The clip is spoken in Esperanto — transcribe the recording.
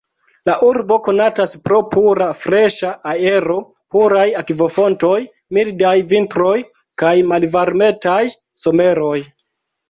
La urbo konatas pro pura freŝa aero, puraj akvofontoj, mildaj vintroj kaj malvarmetaj someroj.